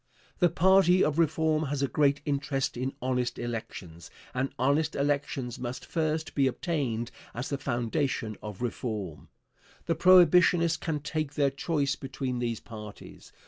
The party of reform has a great interest in honest elections, and honest elections must first be obtained as the foundation of reform. The Prohibitionists can take their choice between these parties.